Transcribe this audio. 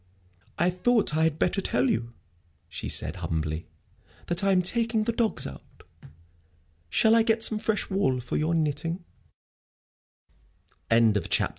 "I thought I had better tell you," she said, humbly, "that I am taking the dogs out. Shall I get some fresh wool for your knitting?" III It was nearly four o'clock.